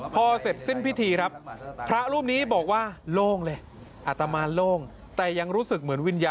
พอเสร็จสิ้นพิธีครับพระรูปนี้บอกว่าโล่งเลย